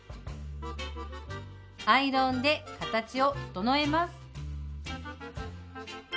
アイロンで形を整えます。